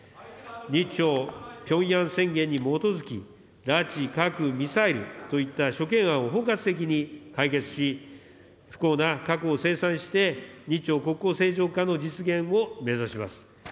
日朝ピョンヤン宣言に基づき、拉致、核、ミサイルといった諸懸案を包括的に解決し、不幸な過去を清算して、日朝国交正常化の実現を目指します。